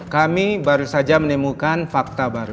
kami baru saja menemukan fakta baru